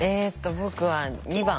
僕は２番。